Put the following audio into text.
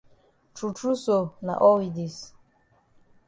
True true so na all we dis.